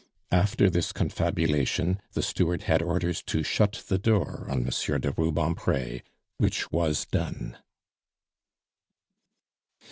After this confabulation the steward had orders to shut the door on Monsieur de Rubempre which was done.